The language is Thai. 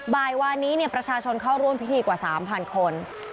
บ่ายวานนี้ประชาชนเข้าร่วมพิธีกว่า๓๐๐คน